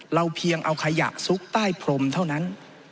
เพียงเอาขยะซุกใต้พรมเท่านั้น